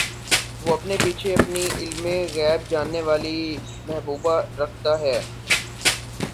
وہ اپنے پیچھے اپنی علمِغیب جاننے والی محبوبہ رکھتا ہے